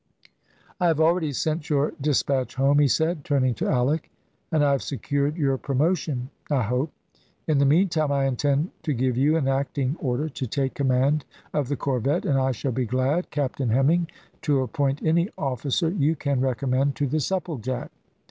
"I have already sent your despatch home," he said, turning to Alick, "and I have secured your promotion, I hope. In the meantime I intend to give you an acting order to take command of the corvette, and I shall be glad, Captain Hemming, to appoint any officer you can recommend to the Supplejack."